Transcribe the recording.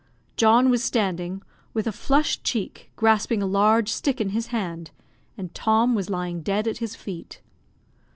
John was standing, with a flushed cheek, grasping a large stick in his hand, and Tom was lying dead at his feet.